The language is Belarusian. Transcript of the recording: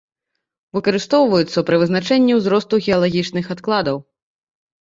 Выкарыстоўваюцца пры вызначэнні ўзросту геалагічных адкладаў.